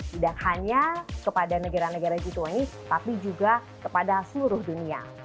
tidak hanya kepada negara negara g dua puluh tapi juga kepada seluruh dunia